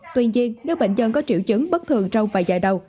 tuy nhiên nếu bệnh nhân có triệu chứng bất thường trong vài giờ đầu